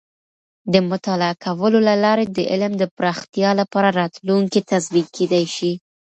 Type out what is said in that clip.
د مطالعه کولو له لارې د علم د پراختیا لپاره راتلونکې تضمین کیدی شي.